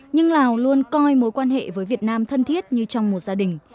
nhưng lào luôn coi mối quan hệ với việt nam thân thiết như trong một gia đình